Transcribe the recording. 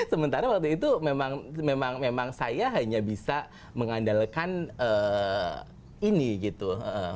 sementara waktu itu memang saya hanya bisa mengandalkan ini gitu